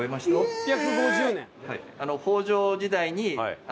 ６５０年。